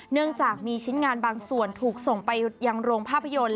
เนื่องจากมีชิ้นงานบางส่วนถูกส่งไปยังโรงภาพยนตร์